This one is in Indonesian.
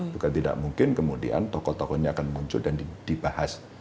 bukan tidak mungkin kemudian tokoh tokohnya akan muncul dan dibahas